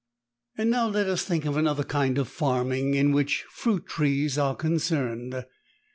And now let us think of another kind of farming, in which fruit trees are concerned.